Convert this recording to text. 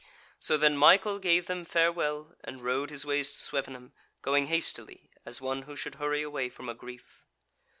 So then Michael gave them farewell, and rode his ways to Swevenham, going hastily, as one who should hurry away from a grief.